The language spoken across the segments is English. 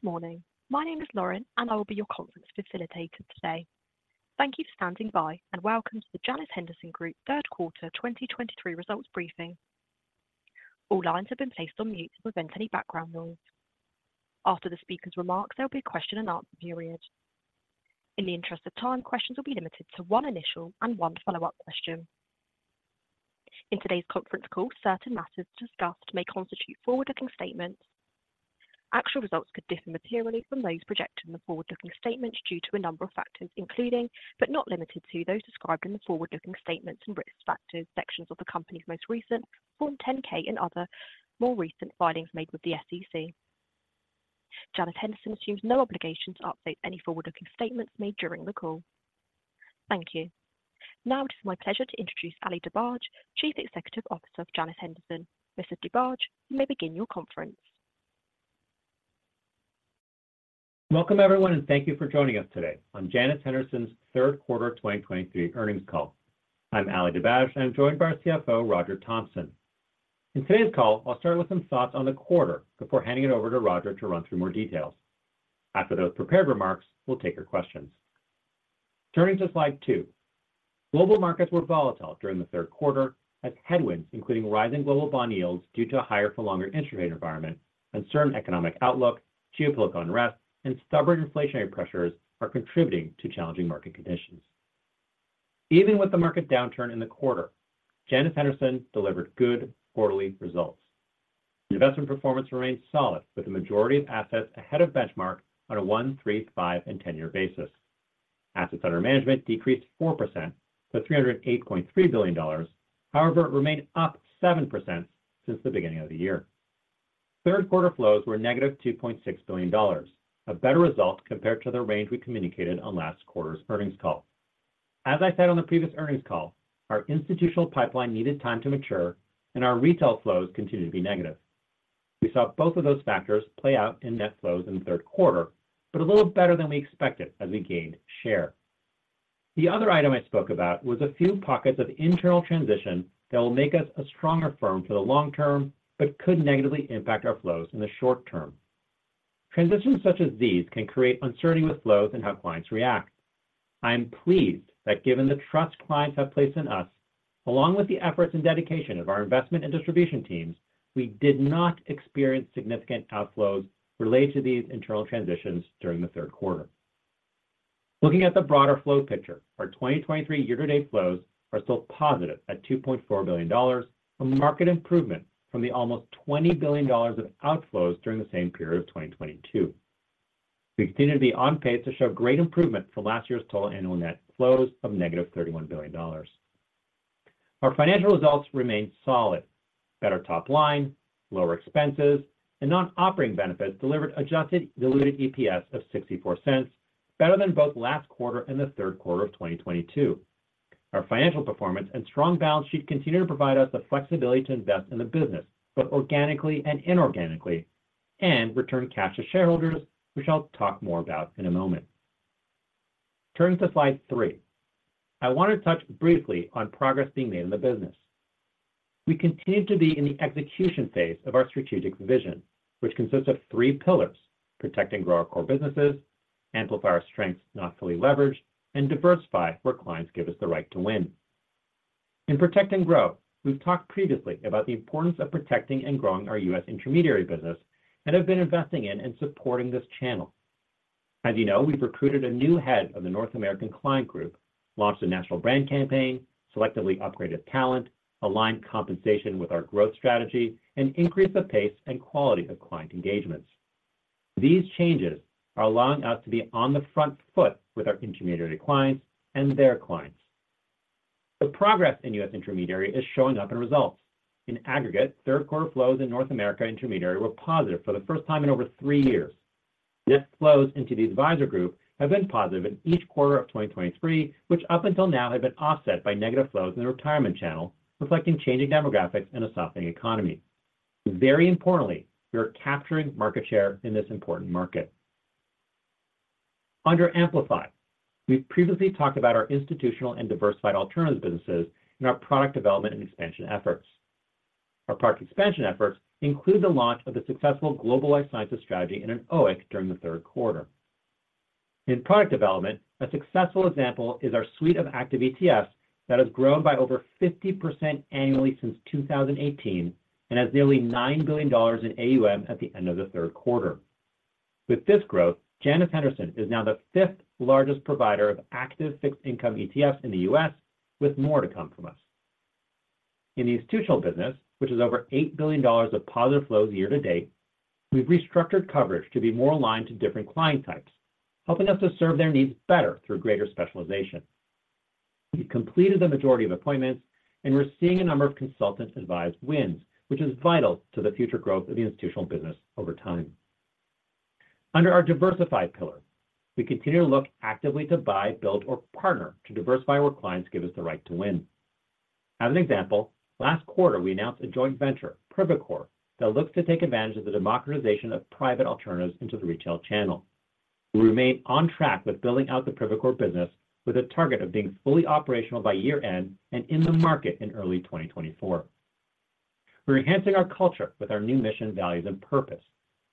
Good morning. My name is Lauren, and I will be your conference facilitator today. Thank you for standing by, and welcome to the Janus Henderson Group Q3 2023 Results Briefing. All lines have been placed on mute to prevent any background noise. After the speaker's remarks, there will be a Q&A period. In the interest of time, questions will be limited to one initial and one follow-up question. In today's conference call, certain matters discussed may constitute forward-looking statements. Actual results could differ materially from those projected in the forward-looking statements due to a number of factors, including, but not limited to, those described in the forward-looking statements and risk factors sections of the company's most recent Form 10-K and other more recent filings made with the SEC. Janus Henderson assumes no obligation to update any forward-looking statements made during the call. Thank you. Now, it is my pleasure to introduce Ali Dibadj, Chief Executive Officer of Janus Henderson. Mr. Dibadj, you may begin your conference. Welcome, everyone, and thank you for joining us today on Janus Henderson's Q3 2023 Earnings Call. I'm Ali Dibadj, and I'm joined by our CFO, Roger Thompson. In today's call, I'll start with some thoughts on the quarter before handing it over to Roger to run through more details. After those prepared remarks, we'll take your questions. Turning to Slide two. Global markets were volatile during the Q3, as headwinds, including rising global bond yields due to a higher for longer interest rate environment, uncertain economic outlook, geopolitical unrest, and stubborn inflationary pressures are contributing to challenging market conditions. Even with the market downturn in the quarter, Janus Henderson delivered good quarterly results. Investment performance remained solid, with the majority of assets ahead of benchmark on a one-, three-, five-, and 10-year basis. Assets under management decreased 4% to $308.3 billion. However, it remained up 7% since the beginning of the year. Q3 flows were negative $2.6 billion, a better result compared to the range we communicated on last quarter's earnings call. As I said on the previous earnings call, our institutional pipeline needed time to mature and our retail flows continued to be negative. We saw both of those factors play out in net flows in the Q3, but a little better than we expected as we gained share. The other item I spoke about was a few pockets of internal transition that will make us a stronger firm for the long term, but could negatively impact our flows in the short term. Transitions such as these can create uncertainty with flows and how clients react. I am pleased that given the trust clients have placed in us, along with the efforts and dedication of our investment and distribution teams, we did not experience significant outflows related to these internal transitions during the Q3. Looking at the broader flow picture, our 2023 year-to-date flows are still positive at $2.4 billion, a marked improvement from the almost $20 billion of outflows during the same period of 2022. We continue to be on pace to show great improvement for last year's total annual net flows of $31 billion. Our financial results remained solid. Better top line, lower expenses, and non-operating benefits delivered adjusted diluted EPS of $0.64, better than both last quarter and the Q3 of 2022. Our financial performance and strong balance sheet continue to provide us the flexibility to invest in the business, both organically and inorganically, and return cash to shareholders, which I'll talk more about in a moment. Turning to Slide three. I want to touch briefly on progress being made in the business. We continue to be in the execution phase of our strategic vision, which consists of three pillars: protect and grow our core businesses, amplify our strengths not fully leveraged, and diversify where clients give us the right to win. In protect and grow, we've talked previously about the importance of protecting and growing our U.S. intermediary business and have been investing in and supporting this channel. As you know, we've recruited a new head of the North American Client Group, launched a national brand campaign, selectively upgraded talent, aligned compensation with our growth strategy, and increased the pace and quality of client engagements. These changes are allowing us to be on the front foot with our intermediary clients and their clients. The progress in U.S. intermediary is showing up in results. In aggregate, Q3 flows in North America intermediary were positive for the first time in over three years. Net flows into the advisor group have been positive in each quarter of 2023, which up until now had been offset by negative flows in the retirement channel, reflecting changing demographics and a softening economy. Very importantly, we are capturing market share in this important market. Under Amplify, we've previously talked about our institutional and diversified alternatives businesses and our product development and expansion efforts. Our product expansion efforts include the launch of the successful Global Life Sciences strategy in an OEIC during the Q3. In product development, a successful example is our suite of active ETFs that has grown by over 50% annually since 2018 and has nearly $9 billion in AUM at the end of the Q3. With this growth, Janus Henderson is now the fifth largest provider of active fixed income ETFs in the US, with more to come from us. In the institutional business, which is over $8 billion of positive flows year to date, we've restructured coverage to be more aligned to different client types, helping us to serve their needs better through greater specialization. We've completed the majority of appointments, and we're seeing a number of consultant-advised wins, which is vital to the future growth of the institutional business over time. Under our Diversified pillar, we continue to look actively to buy, build, or partner to diversify where clients give us the right to win. As an example, last quarter, we announced a joint venture, Privacore, that looks to take advantage of the democratization of private alternatives into the retail channel. We remain on track with building out the Privacore business with a target of being fully operational by year-end and in the market in early 2024. We're enhancing our culture with our new mission, values, and purpose.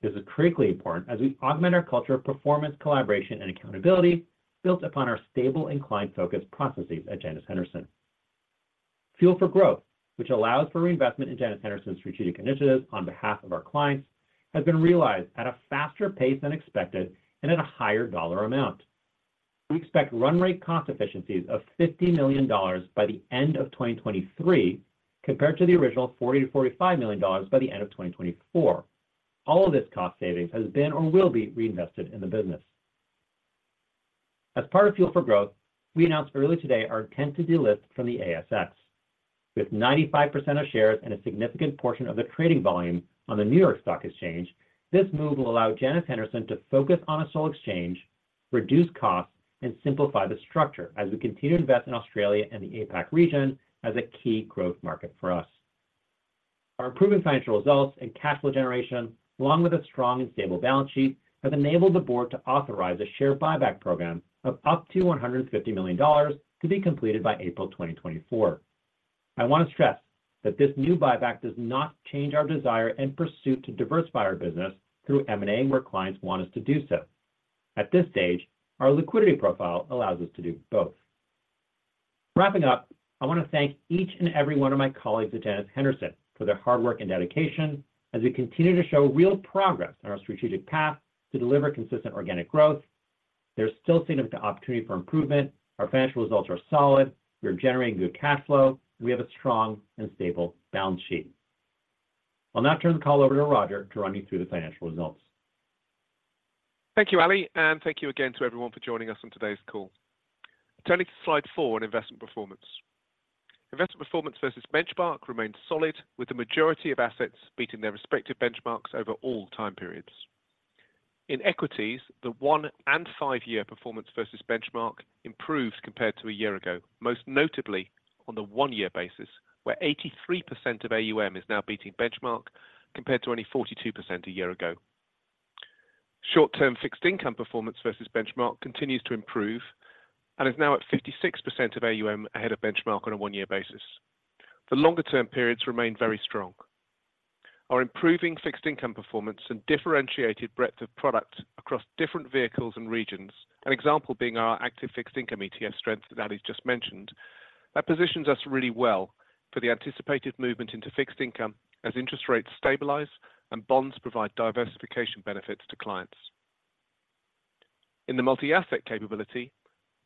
This is critically important as we augment our culture of performance, collaboration, and accountability built upon our stable and client-focused processes at Janus Henderson. Fuel for Growth, which allows for reinvestment in Janus Henderson's strategic initiatives on behalf of our clients, has been realized at a faster pace than expected and at a higher dollar amount. We expect run rate cost efficiencies of $50 million by the end of 2023, compared to the original $40 million-$45 million by the end of 2024. All of this cost savings has been or will be reinvested in the business. As part of Fuel for Growth, we announced earlier today our intent to delist from the ASX. With 95% of shares and a significant portion of the trading volume on the New York Stock Exchange, this move will allow Janus Henderson to focus on a sole exchange, reduce costs, and simplify the structure as we continue to invest in Australia and the APAC region as a key growth market for us. Our improving financial results and cash flow generation, along with a strong and stable balance sheet, have enabled the board to authorize a share buyback program of up to $150 million to be completed by April 2024. I want to stress that this new buyback does not change our desire and pursuit to diversify our business through M&A, where clients want us to do so. At this stage, our liquidity profile allows us to do both. Wrapping up, I want to thank each and every one of my colleagues at Janus Henderson for their hard work and dedication as we continue to show real progress on our strategic path to deliver consistent organic growth. There's still significant opportunity for improvement. Our financial results are solid. We're generating good cash flow. We have a strong and stable balance sheet. I'll now turn the call over to Roger to run you through the financial results. Thank you, Ali, and thank you again to everyone for joining us on today's call. Turning to Slide four on investment performance. Investment performance versus benchmark remains solid, with the majority of assets beating their respective benchmarks over all time periods. In equities, the one- and five-year performance versus benchmark improves compared to a year ago, most notably on the one-year basis, where 83% of AUM is now beating benchmark, compared to only 42% a year ago. Short-term fixed income performance versus benchmark continues to improve and is now at 56% of AUM ahead of benchmark on a 1-year basis. The longer-term periods remain very strong. Our improving fixed income performance and differentiated breadth of product across different vehicles and regions, an example being our active fixed income ETF strength that Ali's just mentioned, that positions us really well for the anticipated movement into fixed income as interest rates stabilize and bonds provide diversification benefits to clients. In the multi-asset capability,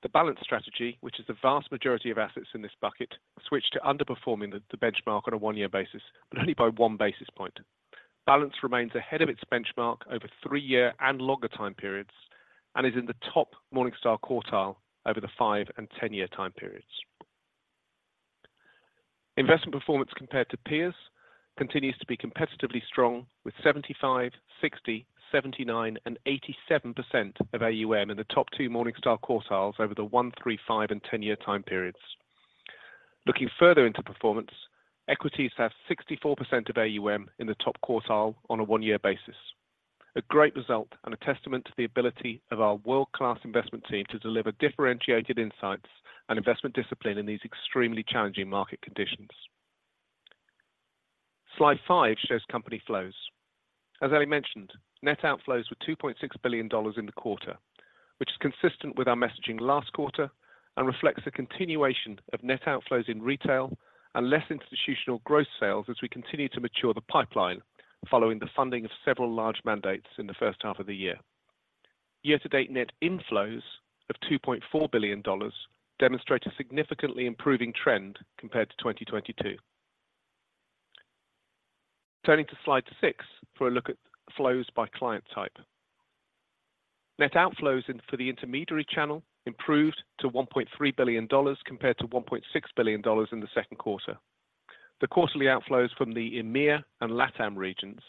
the Balanced strategy, which is the vast majority of assets in this bucket, switched to underperforming the benchmark on a one-year basis, but only by 1 basis point. Balance remains ahead of its benchmark over three-year and longer time periods and is in the top Morningstar quartile over the five- and 10-year time periods. Investment performance compared to peers continues to be competitively strong, with 75%, 60%, 79%, and 87% of AUM in the top two Morningstar quartiles over the one-, three-, five-, and 10-year time periods. Looking further into performance, equities have 64% of AUM in the top quartile on a one-year basis. A great result and a testament to the ability of our world-class investment team to deliver differentiated insights and investment discipline in these extremely challenging market conditions. Slide five shows company flows. As Ali mentioned, net outflows were $2.6 billion in the quarter, which is consistent with our messaging last quarter and reflects the continuation of net outflows in retail and less institutional gross sales as we continue to mature the pipeline following the funding of several large mandates in the first half of the year. Year-to-date net inflows of $2.4 billion demonstrate a significantly improving trend compared to 2022. Turning to Slide six for a look at flows by client type. Net outflows in for the intermediary channel improved to $1.3 billion compared to $1.6 billion in the Q2. The quarterly outflows from the EMEA and LATAM regions,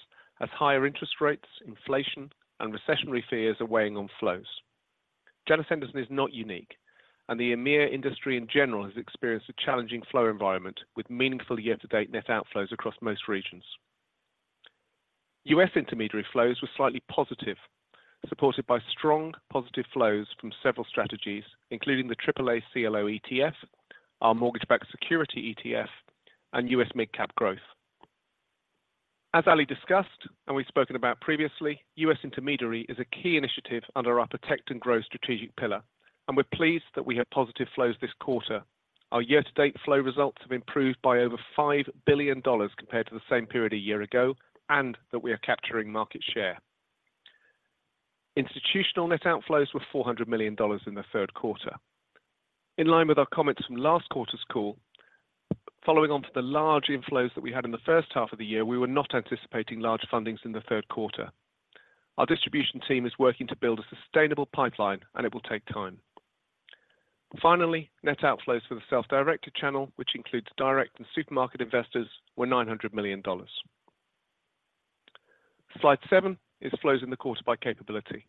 as higher interest rates, inflation, and recessionary fears are weighing on flows. Janus Henderson is not unique, and the EMEA industry in general has experienced a challenging flow environment, with meaningful year-to-date net outflows across most regions. US intermediary flows were slightly positive, supported by strong positive flows from several strategies, including the AAA CLO ETF, our Mortgage-Backed Securities ETF, and US Mid-Cap Growth. As Ali discussed and we've spoken about previously, US intermediary is a key initiative under our Protect and Grow strategic pillar, and we're pleased that we had positive flows this quarter. Our year-to-date flow results have improved by over $5 billion compared to the same period a year ago, and that we are capturing market share. Institutional net outflows were $400 million in the Q3. In line with our comments from last quarter's call, following on from the large inflows that we had in the first half of the year, we were not anticipating large fundings in the Q3. Our distribution team is working to build a sustainable pipeline, and it will take time. Finally, net outflows for the self-directed channel, which includes direct and supermarket investors, were $900 million. Slide seven is flows in the quarter by capability.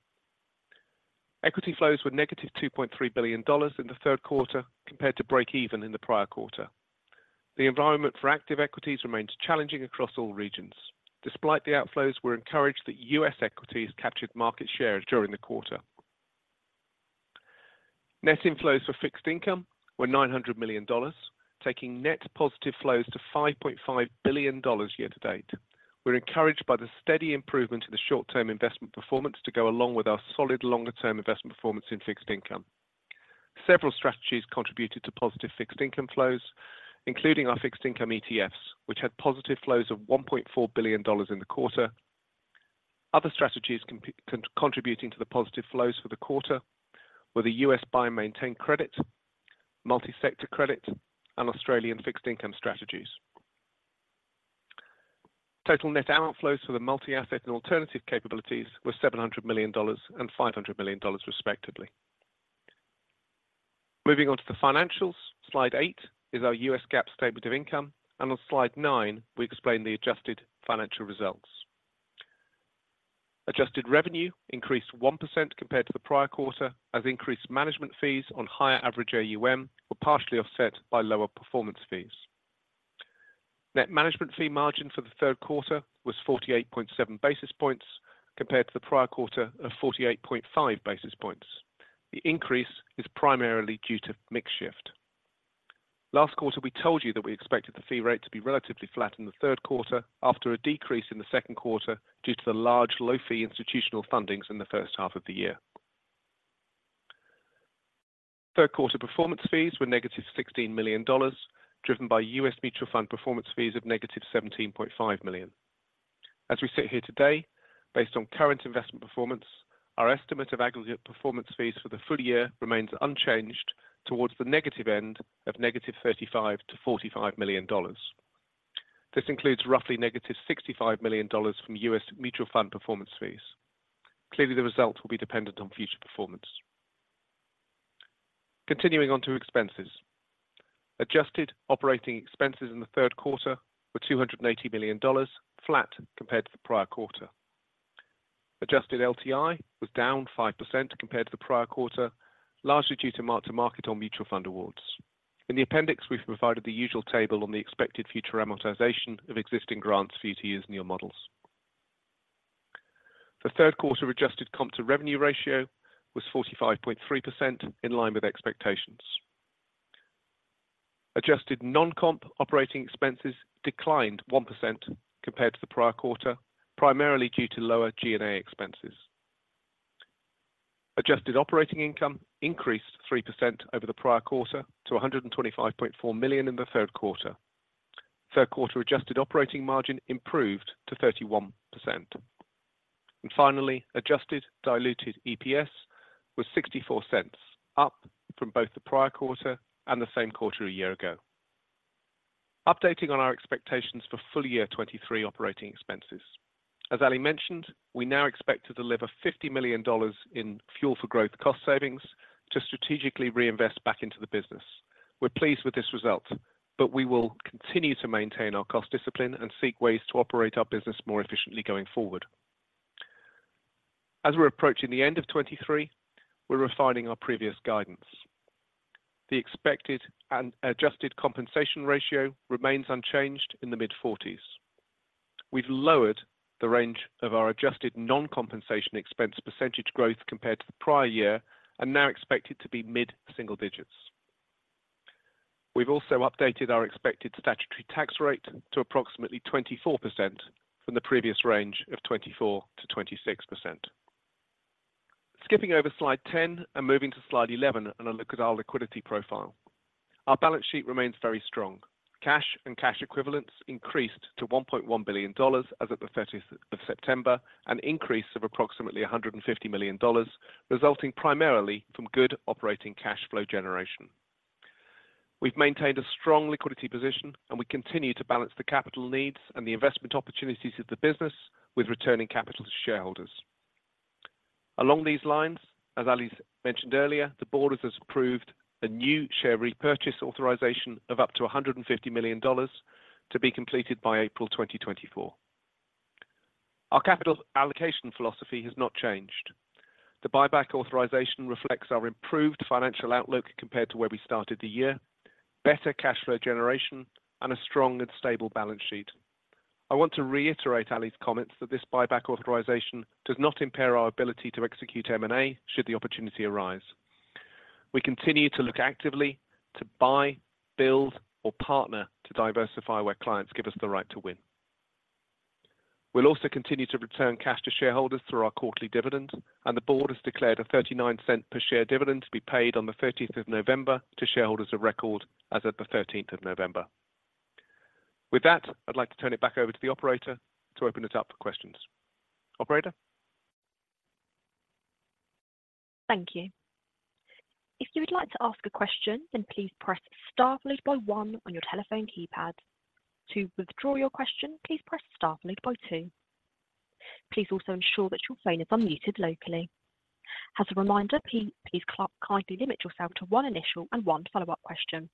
Equity flows were negative $2.3 billion in the Q3, compared to break even in the prior quarter. The environment for active equities remains challenging across all regions. Despite the outflows, we're encouraged that U.S. equities captured market share during the quarter. Net inflows for fixed income were $900 million, taking net positive flows to $5.5 billion year-to-date. We're encouraged by the steady improvement in the short-term investment performance to go along with our solid longer-term investment performance in fixed income. Several strategies contributed to positive fixed income flows, including our fixed income ETFs, which had positive flows of $1.4 billion in the quarter. Other strategies contributing to the positive flows for the quarter were the U.S. Buy and Maintain Credit, Multi-Sector Credit, and Australian Fixed Income Strategies. Total net outflows for the multi-asset and alternative capabilities were $700 million and $500 million, respectively. Moving on to the financials. Slide eight is our US GAAP statement of income, and on Slide nine, we explain the adjusted financial results. Adjusted revenue increased 1% compared to the prior quarter, as increased management fees on higher average AUM were partially offset by lower performance fees. Net management fee margin for the Q3 was 48.7 basis points, compared to the prior quarter of 48.5 basis points. The increase is primarily due to mix shift. Last quarter, we told you that we expected the fee rate to be relatively flat in the Q3 after a decrease in the Q2 due to the large, low-fee institutional fundings in the first half of the year. Q3 performance fees were $16 million, driven by US mutual fund performance fees of $17.5 million. As we sit here today, based on current investment performance, our estimate of aggregate performance fees for the full year remains unchanged towards the negative end of $35 million to $45 million. This includes roughly $65 million from US mutual fund performance fees. Clearly, the result will be dependent on future performance. Continuing on to expenses. Adjusted operating expenses in the Q3 were $280 million, flat compared to the prior quarter. Adjusted LTI was down 5% compared to the prior quarter, largely due to mark-to-market on mutual fund awards. In the appendix, we've provided the usual table on the expected future amortization of existing grants, for your models. The Q3 adjusted comp to revenue ratio was 45.3%, in line with expectations. Adjusted non-comp operating expenses declined 1% compared to the prior quarter, primarily due to lower G&A expenses. Adjusted operating income increased 3% over the prior quarter to $125.4 million in the Q3. Q3 adjusted operating margin improved to 31%. And finally, adjusted diluted EPS was $0.64, up from both the prior quarter and the same quarter a year ago. Updating on our expectations for full year 2023 operating expenses. As Ali mentioned, we now expect to deliver $50 million in Fuel for Growth cost savings to strategically reinvest back into the business. We're pleased with this result, but we will continue to maintain our cost discipline and seek ways to operate our business more efficiently going forward. As we're approaching the end of 2023, we're refining our previous guidance. The expected and adjusted compensation ratio remains unchanged in the mid-40s. We've lowered the range of our adjusted non-compensation expense percentage growth compared to the prior year and now expect it to be mid-single digits. We've also updated our expected statutory tax rate to approximately 24% from the previous range of 24%-26%. Skipping over Slide 10 and moving to Slide 11 and a look at our liquidity profile. Our balance sheet remains very strong. Cash and cash equivalents increased to $1.1 billion as of the thirtieth of September, an increase of approximately $150 million, resulting primarily from good operating cash flow generation. We've maintained a strong liquidity position, and we continue to balance the capital needs and the investment opportunities of the business with returning capital to shareholders. Along these lines, as Ali mentioned earlier, the board has approved a new share repurchase authorization of up to $150 million to be completed by April 2024. Our capital allocation philosophy has not changed. The buyback authorization reflects our improved financial outlook compared to where we started the year, better cash flow generation, and a strong and stable balance sheet. I want to reiterate Ali's comments that this buyback authorization does not impair our ability to execute M&A, should the opportunity arise. We continue to look actively to buy, build, or partner to diversify where clients give us the right to win. We'll also continue to return cash to shareholders through our quarterly dividend, and the board has declared a $0.39 per share dividend to be paid on the 13th of November to shareholders of record as of the 13th of November. With that, I'd like to turn it back over to the operator to open it up for questions. Operator? Thank you. If you would like to ask a question, then please press star followed by one on your telephone keypad. To withdraw your question, please press star followed by two. Please also ensure that your phone is unmuted locally. As a reminder, please kindly limit yourself to one initial and one follow-up question.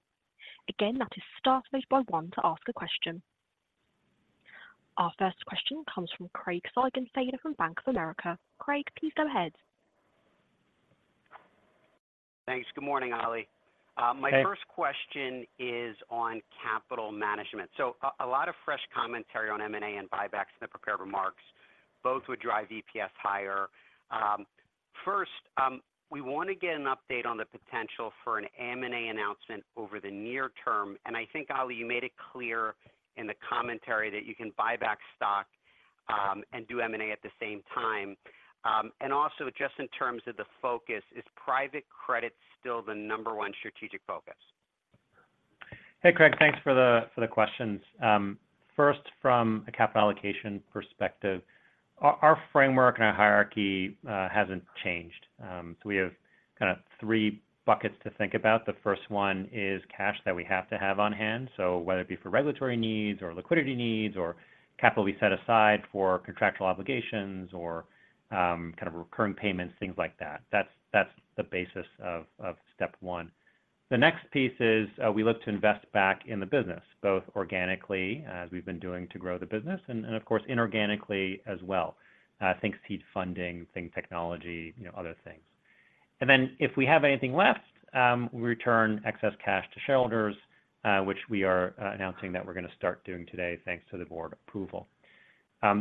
Again, that is star followed by one to ask a question. Our first question comes from Craig Siegenthaler from Bank of America. Craig, please go ahead. Thanks. Good morning, Ali. My first question is on capital management. A lot of fresh commentary on M&A and buybacks in the prepared remarks. Both would drive EPS higher. First, we want to get an update on the potential for an M&A announcement over the near term, and I think, Ali, you made it clear in the commentary that you can buy back stock, and do M&A at the same time. And also just in terms of the focus, is private credit still the number one strategic focus? Hey, Craig. Thanks for the questions. First, from a capital allocation perspective, our framework and our hierarchy hasn't changed. So we have kind of three buckets to think about. The first one is cash that we have to have on hand, so whether it be for regulatory needs or liquidity needs or capital we set aside for contractual obligations or kind of recurring payments, things like that. That's the basis of step one. The next piece is we look to invest back in the business, both organically, as we've been doing to grow the business, and of course, inorganically as well. Think seed funding, think technology, you know, other things. And then if we have anything left, we return excess cash to shareholders, which we are announcing that we're going to start doing today, thanks to the board approval.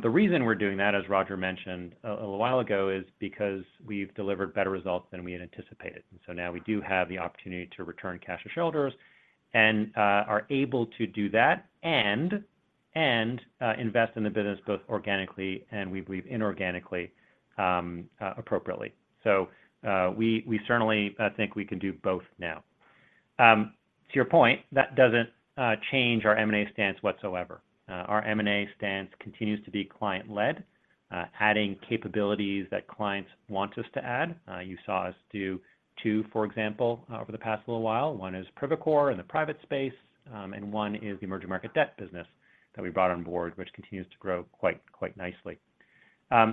The reason we're doing that, as Roger mentioned a little while ago, is because we've delivered better results than we had anticipated. And so now we do have the opportunity to return cash to shareholders and are able to do that and invest in the business both organically and, we believe, inorganically, appropriately. So we certainly think we can do both now. To your point, that doesn't change our M&A stance whatsoever. Our M&A stance continues to be client-led, adding capabilities that clients want us to add. You saw us do two, for example, over the past little while. One is Privacore's in the private space, and one is the emerging market debt business that we brought on board, which continues to grow quite nicely.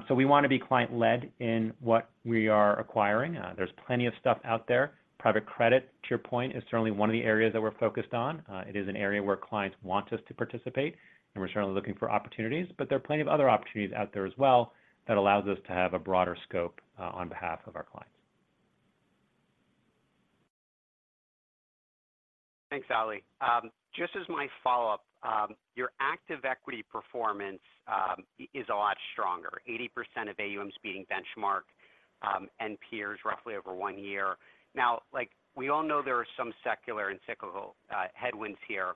So we want to be client-led in what we are acquiring. There's plenty of stuff out there. Private credit, to your point, is certainly one of the areas that we're focused on. It is an area where clients want us to participate, and we're certainly looking for opportunities. But there are plenty of other opportunities out there as well that allows us to have a broader scope, on behalf of our clients. Thanks, Ali. Just as my follow-up, your active equity performance is a lot stronger, 80% of AUMs beating benchmark, and peers roughly over one year. Now, like, we all know there are some secular and cyclical headwinds here,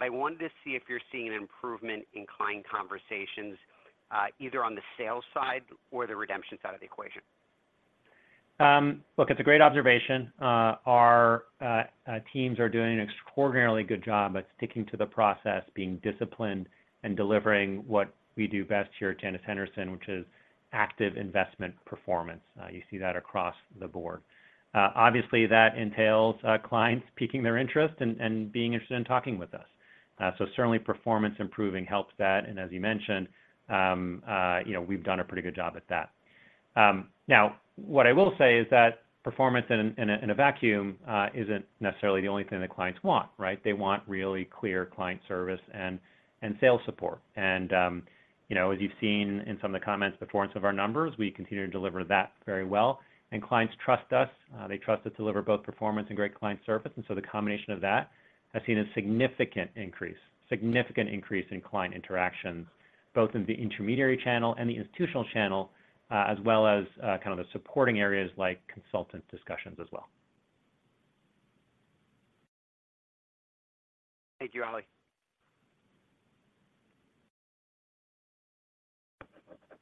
but I wanted to see if you're seeing an improvement in client conversations, either on the sales side or the redemption side of the equation. Look, it's a great observation. Our teams are doing an extraordinarily good job at sticking to the process, being disciplined, and delivering what we do best here at Janus Henderson, which is active investment performance. You see that across the board. Obviously, that entails clients piquing their interest and being interested in talking with us. So certainly performance improving helps that, and as you mentioned, you know, we've done a pretty good job at that. Now, what I will say is that performance in a vacuum isn't necessarily the only thing that clients want, right? They want really clear client service and sales support. And, you know, as you've seen in some of the comments, performance of our numbers, we continue to deliver that very well. And clients trust us. They trust to deliver both performance and great client service. And so the combination of that has seen a significant increase, significant increase in client interactions, both in the intermediary channel and the institutional channel, as well as, kind of the supporting areas like consultant discussions as well. Thank you, Ali.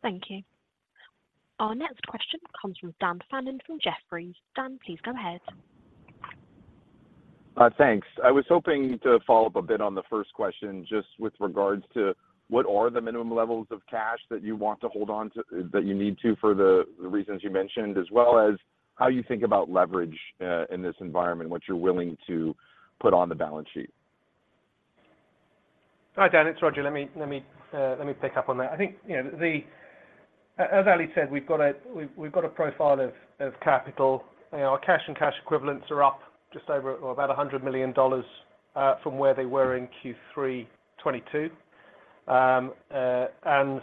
Thank you. Our next question comes from Dan Fannon, from Jefferies. Dan, please go ahead. Thanks. I was hoping to follow up a bit on the first question, just with regards to what are the minimum levels of cash that you want to hold on to that you need to for the, the reasons you mentioned, as well as how you think about leverage in this environment, what you're willing to put on the balance sheet? Hi, Dan, it's Roger. Let me pick up on that. I think, you know, the... As Ali said, we've got a profile of capital. Our cash and cash equivalents are up just over about $100 million from where they were in Q3 2022. And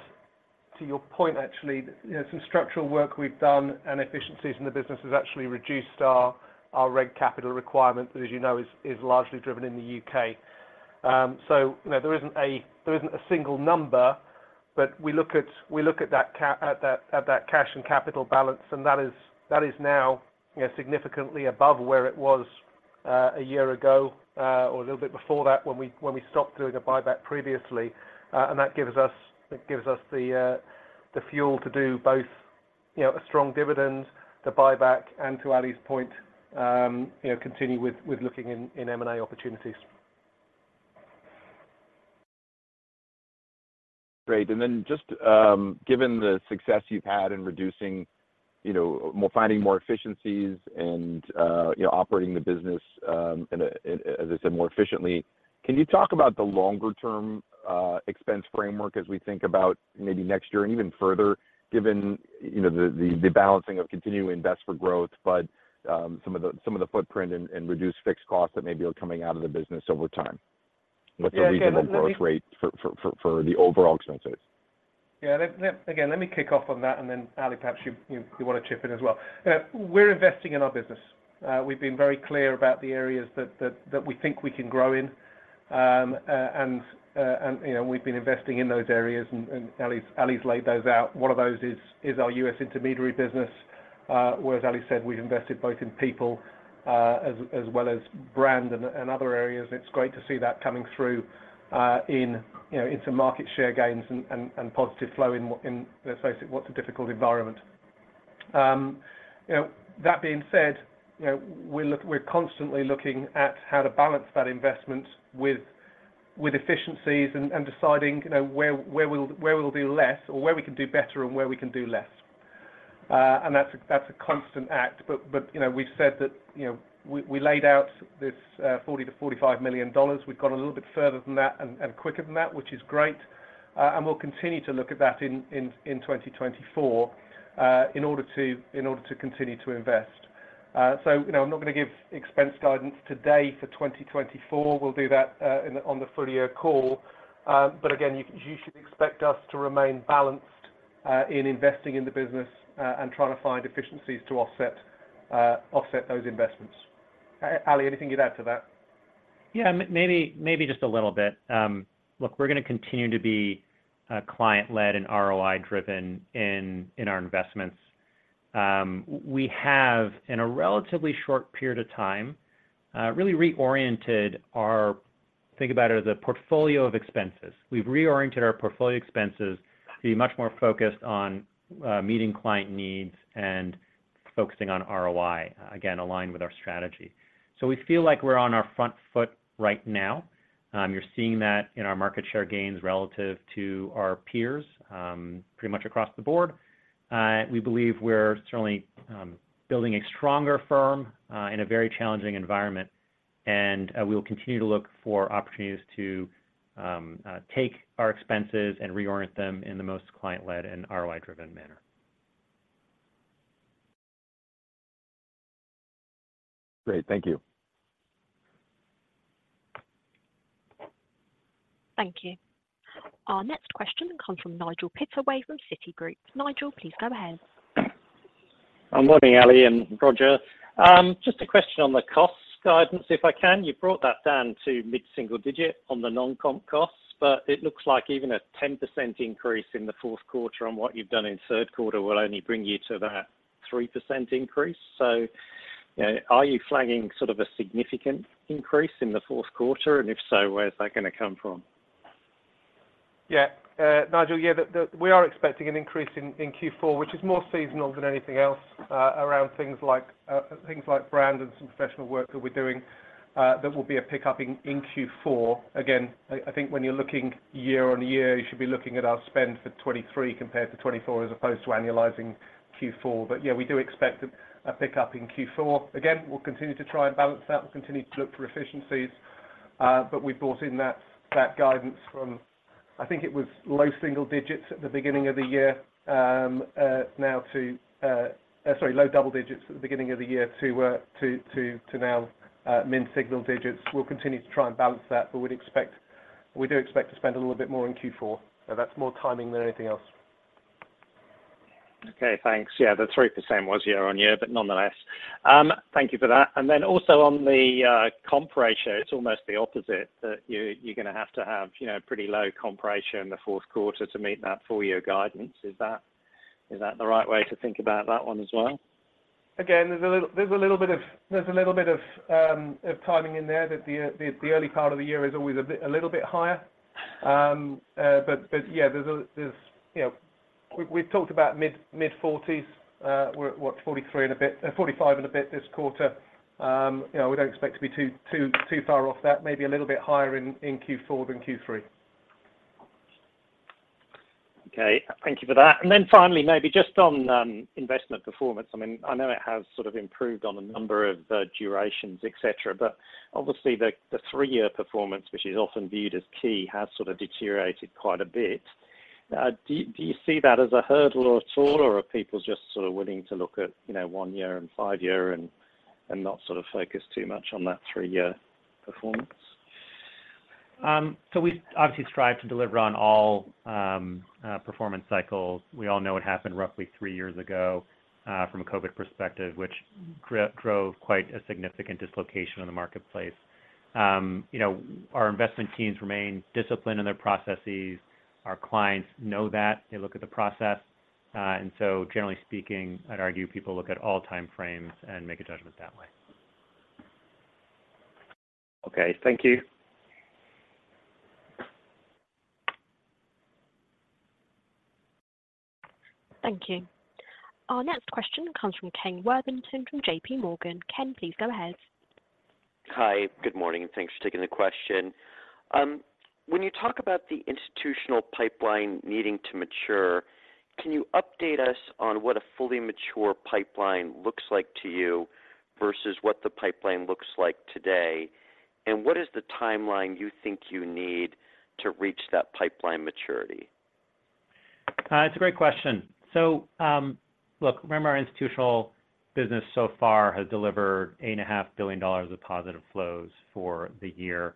to your point, actually, you know, some structural work we've done and efficiencies in the business has actually reduced our reg capital requirement, that, as you know, is largely driven in the UK. So, you know, there isn't a single number, but we look at that cash and capital balance, and that is now, you know, significantly above where it was a year ago or a little bit before that, when we stopped doing a buyback previously. And that gives us—it gives us the fuel to do both, you know, a strong dividend, the buyback, and to Ali's point, you know, continue with looking in M&A opportunities. Great. And then just, given the success you've had in reducing, you know, finding more efficiencies and, you know, operating the business, and, as I said, more efficiently, can you talk about the longer-term expense framework as we think about maybe next year and even further, given, you know, the balancing of continuing to invest for growth, but, some of the footprint and reduced fixed costs that may be coming out of the business over time? What's the reasonable growth rate for the overall expenses?... Yeah, again, let me kick off on that, and then Ali, perhaps you want to chip in as well. We're investing in our business. We've been very clear about the areas that we think we can grow in. And, you know, we've been investing in those areas, and Ali's laid those out. One of those is our U.S. intermediary business, where, as Ali said, we've invested both in people as well as brand and other areas. It's great to see that coming through, you know, into market share gains and positive flow in what, let's face it, what's a difficult environment. You know, that being said, you know, we're constantly looking at how to balance that investment with efficiencies and deciding, you know, where we'll do less, or where we can do better and where we can do less. And that's a constant act, but you know, we've said that, you know, we laid out this $40 million-$45 million. We've got a little bit further than that and quicker than that, which is great, and we'll continue to look at that in 2024 in order to continue to invest. So, you know, I'm not gonna give expense guidance today for 2024. We'll do that on the full year call. But again, you should expect us to remain balanced in investing in the business and trying to find efficiencies to offset those investments. Ali, anything you'd add to that? Yeah, maybe just a little bit. Look, we're gonna continue to be client-led and ROI-driven in our investments. We have, in a relatively short period of time, really reoriented our... Think about it as a portfolio of expenses. We've reoriented our portfolio expenses to be much more focused on meeting client needs and focusing on ROI, again, aligned with our strategy. So we feel like we're on our front foot right now. You're seeing that in our market share gains relative to our peers, pretty much across the board. We believe we're certainly building a stronger firm in a very challenging environment, and we will continue to look for opportunities to take our expenses and reorient them in the most client-led and ROI-driven manner. Great. Thank you. Thank you. Our next question comes from Nigel Pittaway from Citigroup. Nigel, please go ahead. Good morning, Ali and Roger. Just a question on the cost guidance, if I can. You brought that down to mid-single digit on the non-comp costs, but it looks like even a 10% increase in the Q4 on what you've done in Q3 will only bring you to that 3% increase. So, you know, are you flagging sort of a significant increase in the Q4? And if so, where is that gonna come from? Yeah. Nigel, yeah. We are expecting an increase in Q4, which is more seasonal than anything else, around things like brand and some professional work that we're doing, that will be a pickup in Q4. Again, I think when you're looking year-on-year, you should be looking at our spend for 2023 compared to 2024, as opposed to annualizing Q4. But yeah, we do expect a pickup in Q4. Again, we'll continue to try and balance that. We'll continue to look for efficiencies, but we've brought in that guidance from, I think it was low single digits at the beginning of the year, now to... Sorry, low double digits at the beginning of the year to now, mid-single digits. We'll continue to try and balance that, but we do expect to spend a little bit more in Q4, so that's more timing than anything else. Okay, thanks. Yeah, the 3% was year-on-year, but nonetheless, thank you for that. And then also on the comp ratio, it's almost the opposite, that you're gonna have to have, you know, pretty low comp ratio in the Q4 to meet that full year guidance. Is that the right way to think about that one as well? Again, there's a little bit of timing in there, that the early part of the year is always a bit higher. But yeah, there's, you know... We've talked about mid-40s, we're at what? 43 and a bit, 45 and a bit this quarter. You know, we don't expect to be too far off that, maybe a little bit higher in Q4 than Q3. Okay, thank you for that. Then finally, maybe just on investment performance. I mean, I know it has sort of improved on a number of durations, et cetera, but obviously, the three-year performance, which is often viewed as key, has sort of deteriorated quite a bit. Do you see that as a hurdle at all, or are people just sort of willing to look at, you know, one-year and five-year and not sort of focus too much on that three-year performance? So we obviously strive to deliver on all, performance cycles. We all know what happened roughly three years ago, from a COVID perspective, which drove quite a significant dislocation in the marketplace. You know, our investment teams remain disciplined in their processes. Our clients know that, they look at the process. And so generally speaking, I'd argue people look at all time frames and make a judgment that way. Okay, thank you. Thank you. Our next question comes from Ken Worthington from JPMorgan. Ken, please go ahead. Hi, good morning, and thanks for taking the question. When you talk about the institutional pipeline needing to mature, can you update us on what a fully mature pipeline looks like to you versus what the pipeline looks like today? What is the timeline you think you need to reach that pipeline maturity? It's a great question. So, look, remember our institutional business so far has delivered $8.5 billion of positive flows for the year.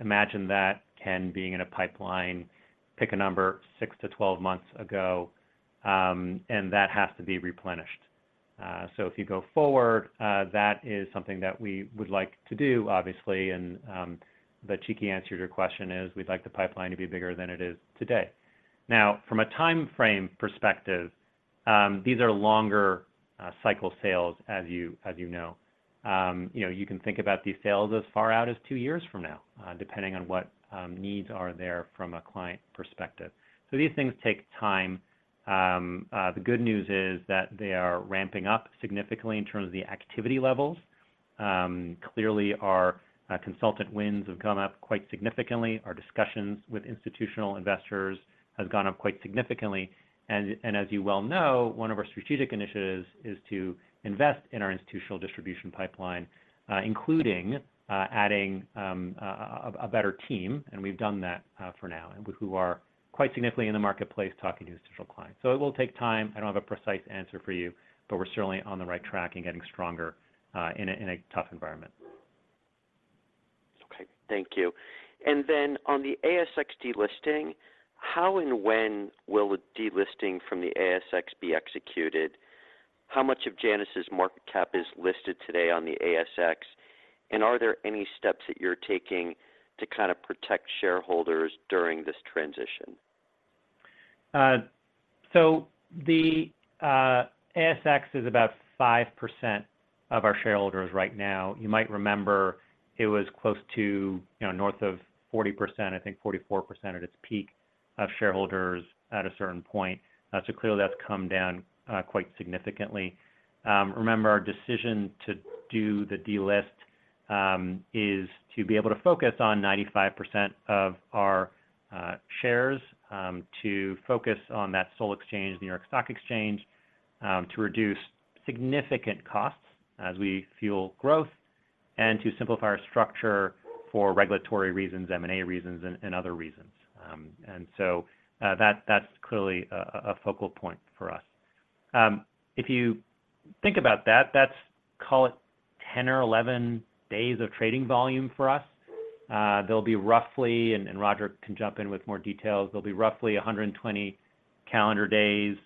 Imagine that Ken, being in a pipeline, pick a number 6-12 months ago, and that has to be replenished. So if you go forward, that is something that we would like to do, obviously. And, the cheeky answer to your question is, we'd like the pipeline to be bigger than it is today. Now, from a time frame perspective, these are longer cycle sales, as you know. You know, you can think about these sales as far out as two years from now, depending on what needs are there from a client perspective. So these things take time. The good news is that they are ramping up significantly in terms of the activity levels. Clearly, our consultant wins have gone up quite significantly. Our discussions with institutional investors has gone up quite significantly. And as you well know, one of our strategic initiatives is to invest in our institutional distribution pipeline, including adding a better team, and we've done that for now, and who are quite significantly in the marketplace talking to institutional clients. So it will take time. I don't have a precise answer for you, but we're certainly on the right track and getting stronger in a tough environment. Okay, thank you. And then on the ASX delisting, how and when will the delisting from the ASX be executed? How much of Janus' market cap is listed today on the ASX? And are there any steps that you're taking to kind of protect shareholders during this transition? So the ASX is about 5% of our shareholders right now. You might remember it was close to, you know, north of 40%, I think 44% at its peak of shareholders at a certain point. So clearly, that's come down quite significantly. Remember, our decision to do the delist is to be able to focus on 95% of our shares to focus on that sole exchange, New York Stock Exchange, to reduce significant costs as we fuel growth and to simplify our structure for regulatory reasons, M&A reasons, and other reasons. And so, that that's clearly a focal point for us. If you think about that, that's call it 10 or 11 days of trading volume for us. There'll be roughly, and Roger can jump in with more details. There'll be roughly 120 calendar days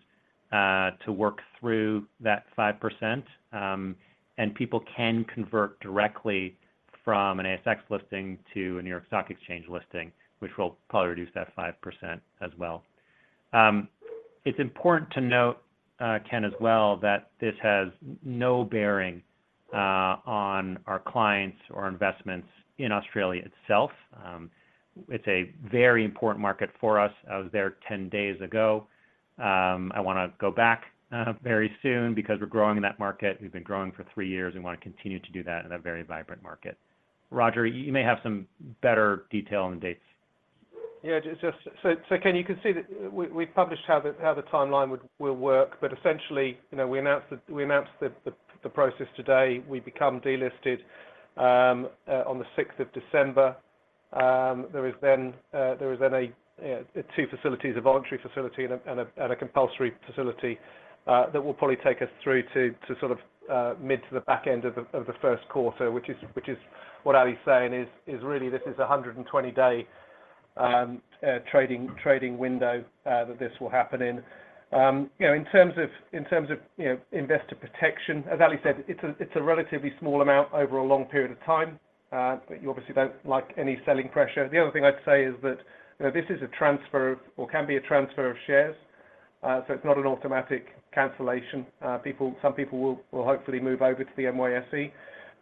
to work through that 5%, and people can convert directly from an ASX listing to a New York Stock Exchange listing, which will probably reduce that 5% as well. It's important to note, Ken, as well, that this has no bearing on our clients or investments in Australia itself. It's a very important market for us. I was there 10 days ago. I wanna go back very soon because we're growing in that market. We've been growing for three years and wanna continue to do that in a very vibrant market. Roger, you may have some better detail on the dates. Yeah, just, So, Ken, you can see that we, we've published how the timeline will work, but essentially, you know, we announced the process today. We become delisted on the sixth of December. There is then a two facilities, a voluntary facility and a compulsory facility, that will probably take us through to sort of mid to the back end of the Q1, which is what Ali is saying is really this is a 120-day trading window that this will happen in. You know, in terms of investor protection, as Ali said, it's a relatively small amount over a long period of time, but you obviously don't like any selling pressure. The other thing I'd say is that, you know, this is a transfer or can be a transfer of shares, so it's not an automatic cancellation. People—some people will hopefully move over to the NYSE,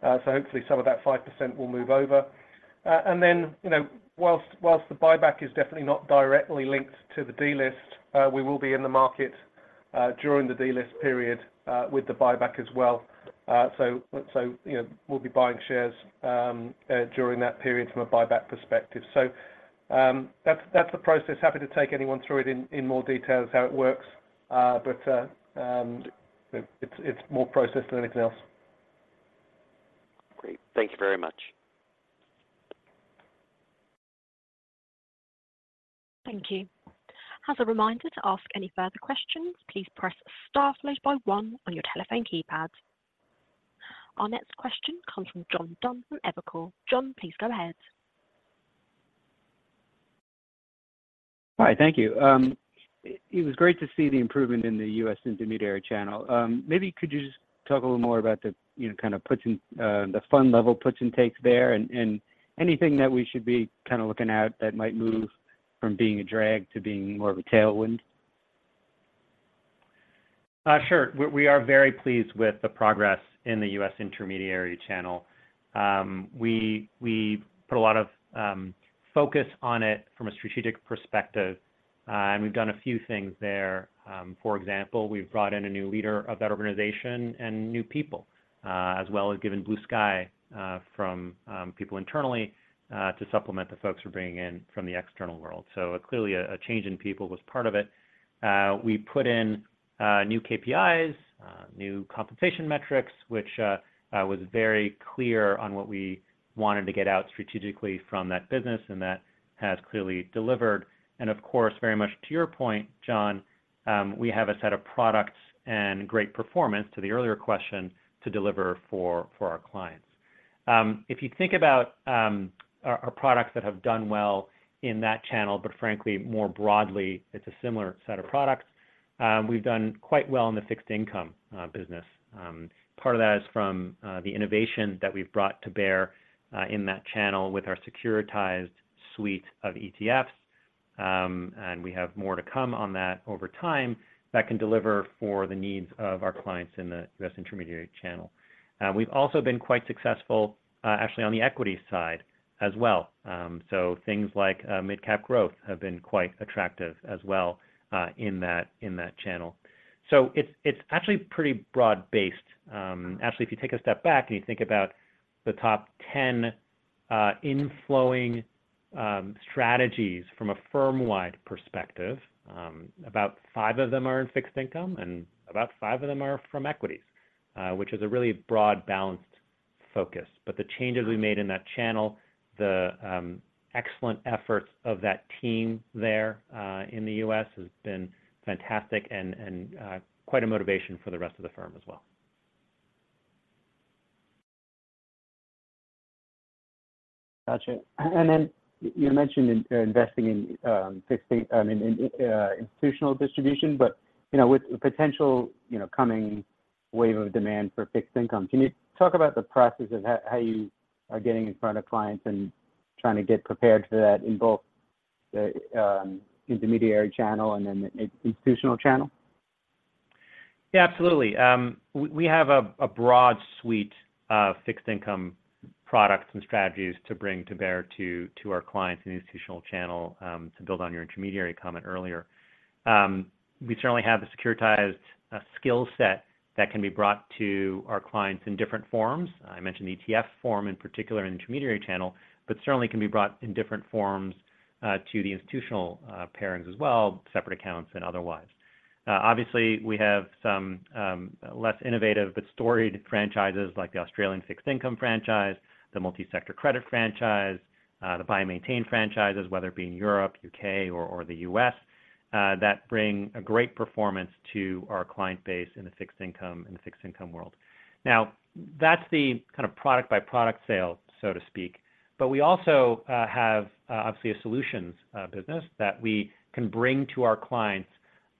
so hopefully some of that 5% will move over. And then, you know, whilst the buyback is definitely not directly linked to the delist, we will be in the market during the delist period with the buyback as well. So, you know, we'll be buying shares during that period from a buyback perspective. So, that's the process. Happy to take anyone through it in more details, how it works, but it's more process than anything else. Great. Thank you very much. Thank you. As a reminder to ask any further questions, please press Star followed by one on your telephone keypad. Our next question comes from John Dunn from Evercore. John, please go ahead. Hi, thank you. It was great to see the improvement in the U.S. intermediary channel. Maybe could you just talk a little more about the, you know, kind of puts and, the funnel level, puts and takes there, and anything that we should be kind of looking at that might move from being a drag to being more of a tailwind? Sure. We are very pleased with the progress in the U.S. intermediary channel. We put a lot of focus on it from a strategic perspective, and we've done a few things there. For example, we've brought in a new leader of that organization and new people, as well as given blue sky from people internally, to supplement the folks we're bringing in from the external world. So clearly, a change in people was part of it. We put in new KPIs, new compensation metrics, which was very clear on what we wanted to get out strategically from that business, and that has clearly delivered. And of course, very much to your point, John, we have a set of products and great performance to the earlier question, to deliver for our clients. If you think about our products that have done well in that channel, but frankly, more broadly, it's a similar set of products. We've done quite well in the fixed income business. Part of that is from the innovation that we've brought to bear in that channel with our securitized suite of ETFs. We have more to come on that over time, that can deliver for the needs of our clients in the US intermediary channel. We've also been quite successful, actually on the equity side as well. So things like, Mid-Cap Growth have been quite attractive as well, in that, in that channel. So it's, it's actually pretty broad-based. Actually, if you take a step back and you think about the top 10, inflowing, strategies from a firm-wide perspective, about five of them are in fixed income, and about five of them are from equities, which is a really broad, balanced focus. But the changes we made in that channel, excellent efforts of that team there, in the US has been fantastic and, and, quite a motivation for the rest of the firm as well. Gotcha. And then you mentioned in investing in fixed income... I mean, in institutional distribution, but, you know, with the potential, you know, coming wave of demand for fixed income, can you talk about the process of how, how you are getting in front of clients and trying to get prepared for that in both the intermediary channel and then the institutional channel? Yeah, absolutely. We have a broad suite of fixed income products and strategies to bring to bear to our clients in the institutional channel, to build on your intermediary comment earlier. We certainly have a securitized skill set that can be brought to our clients in different forms. I mentioned the ETF form, in particular, in the intermediary channel, but certainly can be brought in different forms to the institutional parents as well, separate accounts and otherwise. Obviously, we have some less innovative, but storied franchises like the Australian fixed income franchise, the multi-sector credit franchise, the buy and maintain franchises, whether it be in Europe, UK or the US, that bring a great performance to our client base in the fixed income world. Now, that's the kind of product by product sale, so to speak, but we also have obviously a solutions business that we can bring to our clients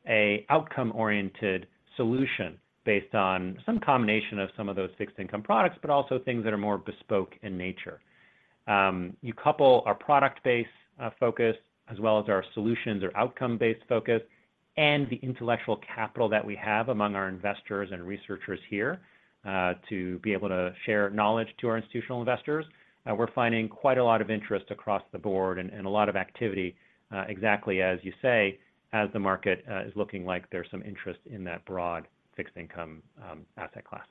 a outcome-oriented solution based on some combination of some of those fixed income products, but also things that are more bespoke in nature. You couple our product-based focus, as well as our solutions or outcome-based focus, and the intellectual capital that we have among our investors and researchers here to be able to share knowledge to our institutional investors. We're finding quite a lot of interest across the board and a lot of activity exactly, as you say, as the market is looking like there's some interest in that broad fixed income asset class.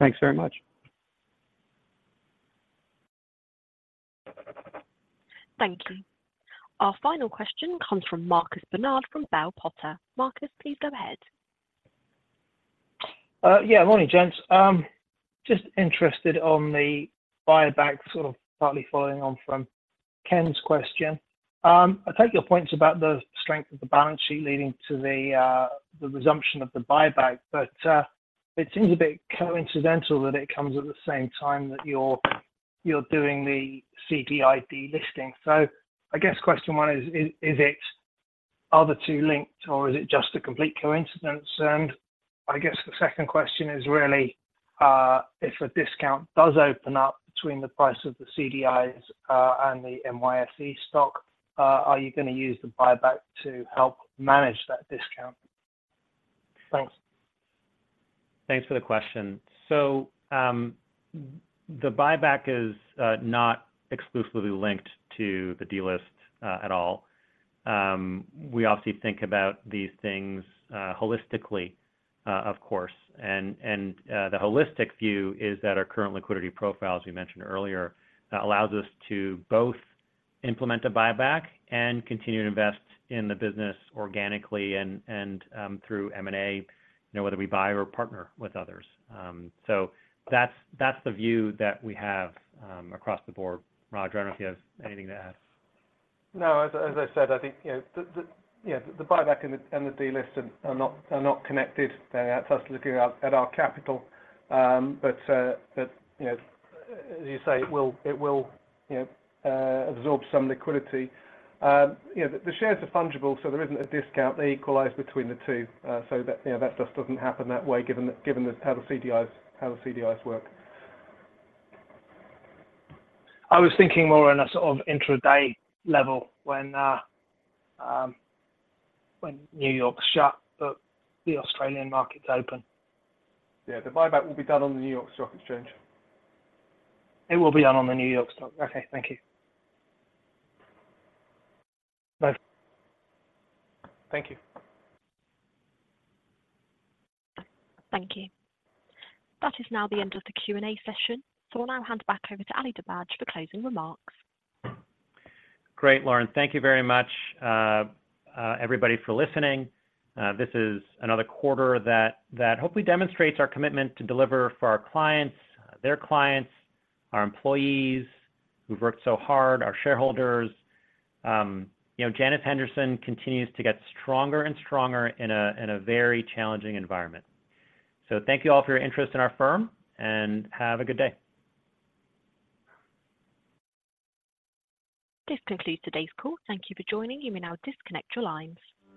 Thanks very much. Thank you. Our final question comes from Marcus Barnard, from Bell Potter. Marcus, please go ahead. Yeah, good morning, gents. Just interested on the buyback, sort of partly following on from Ken's question. I take your points about the strength of the balance sheet leading to the resumption of the buyback, but it seems a bit coincidental that it comes at the same time that you're doing the CDI listing. So I guess question one is: Are the two linked, or is it just a complete coincidence? And I guess the second question is really, if a discount does open up between the price of the CDIs and the NYSE stock, are you gonna use the buyback to help manage that discount? Thanks. Thanks for the question. So, the buyback is not exclusively linked to the delist at all. We obviously think about these things holistically, of course. And the holistic view is that our current liquidity profile, as we mentioned earlier, allows us to both implement a buyback and continue to invest in the business organically and through M&A, you know, whether we buy or partner with others. So that's the view that we have across the board. Rog, I don't know if you have anything to add. No, as I said, I think, you know, yeah, the buyback and the delist are not connected. They're us looking at our capital. But that, you know, as you say, it will, you know, absorb some liquidity. You know, the shares are fungible, so there isn't a discount. They equalize between the two. So that, you know, that just doesn't happen that way, given how the CDIs work. I was thinking more on a sort of intraday level when New York's shut, but the Australian market's open. Yeah, the buyback will be done on the New York Stock Exchange. It will be done on the New York Stock. Okay, thank you. Bye. Thank you. Thank you. That is now the end of the Q&A session, so we'll now hand back over to Ali Dibadj for closing remarks. Great, Lauren. Thank you very much, everybody for listening. This is another quarter that hopefully demonstrates our commitment to deliver for our clients, their clients, our employees who've worked so hard, our shareholders. You know, Janus Henderson continues to get stronger and stronger in a very challenging environment. So thank you all for your interest in our firm, and have a good day. This concludes today's call. Thank you for joining. You may now disconnect your lines.